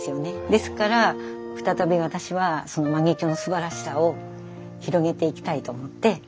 ですからふたたび私はその万華鏡のすばらしさを広げていきたいと思って活動してます。